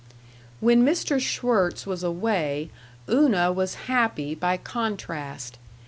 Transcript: § 2 When Mr. Schwirtz was away Una was happy by contrast.